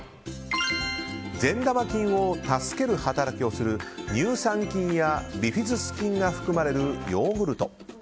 善玉菌を助ける働きをする乳酸菌やビフィズス菌が含まれるヨーグルト。